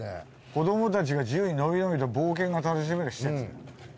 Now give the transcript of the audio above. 「子どもたちが自由に伸び伸びと冒険が楽しめる施設」。